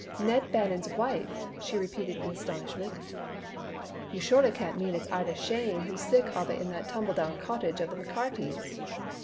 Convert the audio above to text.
"Ned Bannon's wife!" she repeated in astonishment. "You suahly can't mean that it's Ida Shane who's sick ovah in that tumbledown cottage of the McCarty's!"